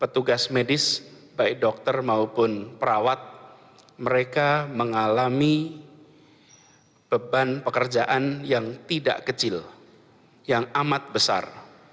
petugas medis baik dokter maupun perawat mereka mengalami beban pekerjaan yang tidak kecil yang amat besar